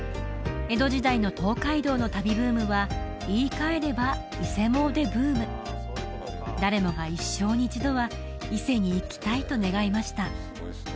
江戸時代の東海道の旅ブームは言いかえれば伊勢詣でブーム誰もが一生に一度は伊勢に行きたいと願いました